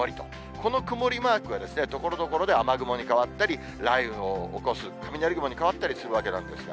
この曇りマークはところどころで雨雲に変わったり、雷雨の起こす雷雲に変わったりするわけですが。